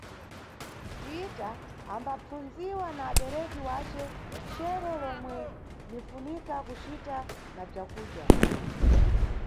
Pita ambapfundziwa na abereki wace chero lomwe linʼfunika kucita na bzakudya.